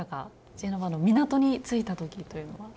ジェノバの港に着いた時というのは？